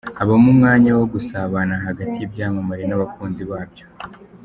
Habamo umwanya wo gusabana hagati y’ibyamamare n’abakunzi babyo.